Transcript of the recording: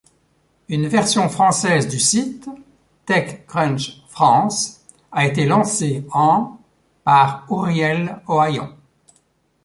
Une version française du site, TechCrunch France, a été lancée en par Ouriel Ohayon.